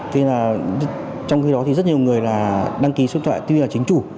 trong khi đó thì rất nhiều người là đăng ký số điện thoại tuy là chính chủ